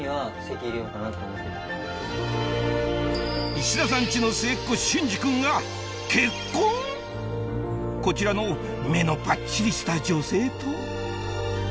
石田さんチの末っ子隼司君がこちらの目のパッチリした女性と？